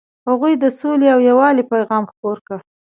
هغوی د سولې او یووالي پیغام خپور کړ.